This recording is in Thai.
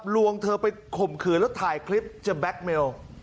วงเธอไปข่มขืนแล้วถ่ายคลิปจะแก๊กเมล